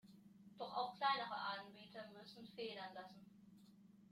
Doch auch kleinere Anbieter müssen Federn lassen.